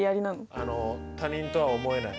あの他人とは思えない。